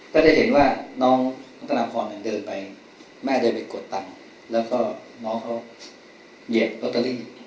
ก็จะเห็นว่าน้องตนาพรเดินไปแม่เดินไปกดตังค์แล้วก็น้องเขาเหยียบลอตเตอรี่